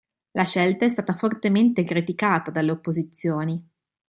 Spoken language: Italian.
La scelta è stata fortemente criticata dalle opposizioni.